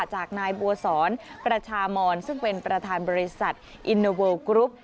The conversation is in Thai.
จากนายบัวสอนประชามอนซึ่งเป็นประธานบริษัทอินเตอร์เวิลกรุ๊ป